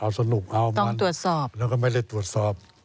เอาสนุกเอามาตรวจสอบแล้วก็ไม่ได้ตรวจสอบ